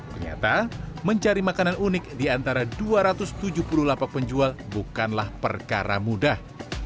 ternyata mencari makanan unik di antara dua ratus tujuh puluh lapak penjual bukanlah perkara mudah